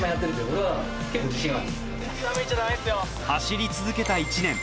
走り続けた１年。